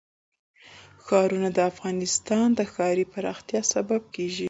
ښارونه د افغانستان د ښاري پراختیا سبب کېږي.